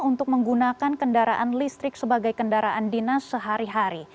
untuk menggunakan kendaraan listrik sebagai kendaraan dinas sehari hari